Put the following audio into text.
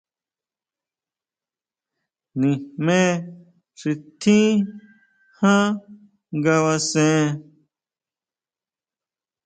Nijme xi tjín jan ngabasen.